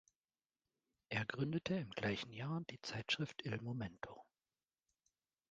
Er gründete im gleichen Jahr die Zeitschrift "Il momento".